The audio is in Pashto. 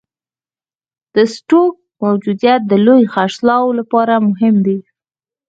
د سټوک موجودیت د لوی خرڅلاو لپاره مهم دی.